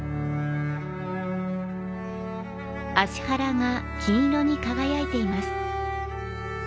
葦原が金色に輝いています。